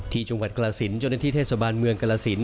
ที่จุงวัดกลาศินย์เจ้าหน้าที่เทศบาลเมืองกลาศินย์